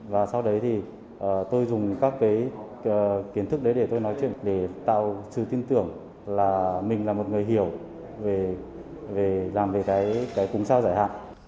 và sau đấy thì tôi dùng các cái kiến thức đấy để tôi nói chuyện để tạo sự tin tưởng là mình là một người hiểu về giảm về cái cúng sao giải hạn